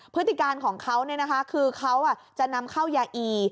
พฤติการของเขาคือเขาจะนำเข้ายาอี